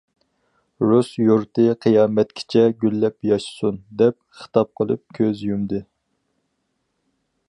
رۇس يۇرتى قىيامەتكىچە گۈللەپ ياشىسۇن!- دەپ خىتاب قىلىپ كۆز يۇمدى.